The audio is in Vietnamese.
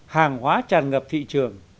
hàng hóa tràn ngập thị trường